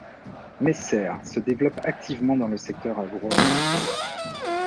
Messer se développe activement dans le secteur agro-alimentaire.